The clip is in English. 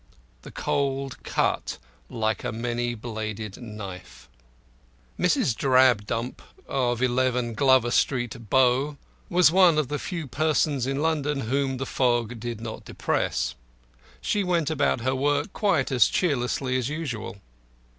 The cold cut like a many bladed knife. Mrs. Drabdump, of 11 Glover Street, Bow, was one of the few persons in London whom fog did not depress. She went about her work quite as cheerlessly as usual.